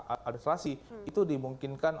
administrasi itu dimungkinkan